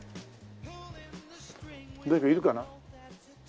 誰かいるかな？